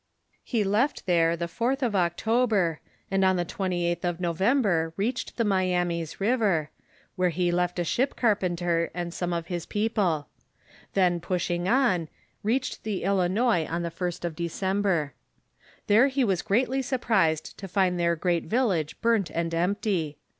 He left there the 4th of October, and on the 28th of No vember, reached the Myamis' river, where he left a ship car penter and some of his people ; then pushing on, reached the Ilinois on the first of December. There he was greatly sur prised to find their great village burnt and empty.